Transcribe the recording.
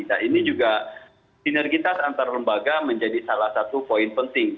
nah ini juga sinergitas antar lembaga menjadi salah satu poin penting